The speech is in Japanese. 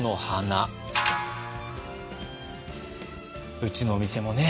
うちのお店もね